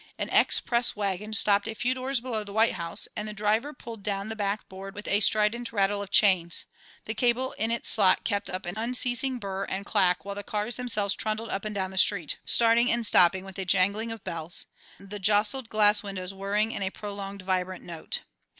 An ex press wagon stopped a few doors below the white house and the driver pulled down the back board with a strident rattle of chains; the cable in its slot kept up an unceasing burr and clack while the cars themselves trundled up and down the street, starting and stopping with a jangling of bells, the jostled glass windows whirring in a prolonged vibrant note.